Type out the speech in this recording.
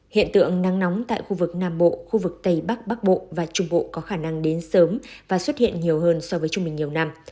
hiện tượng nắng nóng tại khu vực nam bộ khu vực tây bắc bắc bộ và trung bộ có khả năng đến sớm và xuất hiện nhiều hơn so với trung bình nhiều năm